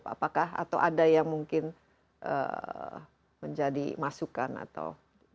apakah atau ada yang mungkin menjadi masukan atau